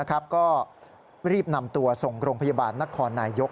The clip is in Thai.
ก็รีบนำตัวส่งโรงพยาบาลนครนายยก